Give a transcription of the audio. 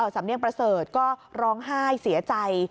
สำเนียงประเสริฐก็ร้องไห้เสียใจ